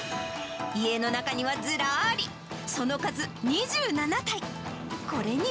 家の中にはずらーり、その数、２７体。